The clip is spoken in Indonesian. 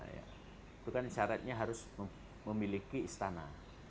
itu kan syaratnya harus memiliki istana